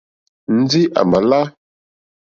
Ndí à mà lá.